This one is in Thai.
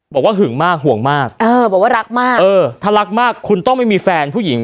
หึงมากห่วงมากเออบอกว่ารักมากเออถ้ารักมากคุณต้องไม่มีแฟนผู้หญิง